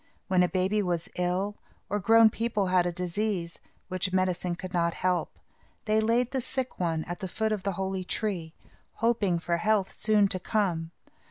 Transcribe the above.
When a baby was ill, or grown people had a disease, which medicine could not help, they laid the sick one at the foot of the holy tree, hoping for health soon to come.